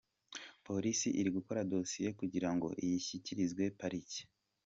"Polisi iri gukora dosiye kugira ngo iyishyikirizwe parike.